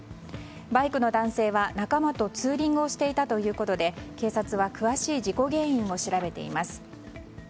バイクの男性は仲間とツーリングをしていたということで警察は詳しい事故原因を調べています。